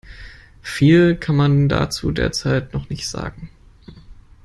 Viel kann man dazu derzeit noch nicht sagen.